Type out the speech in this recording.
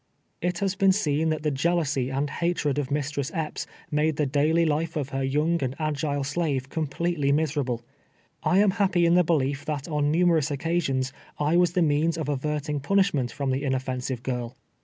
It has been seen that tlie jealousy and hatred of !R[istress Epps made tlie daily life of liur young and agile slave completely miserable. I am happy in the belief that on numerous occasions I was the means of averting punishment from the inoft'ensive girl.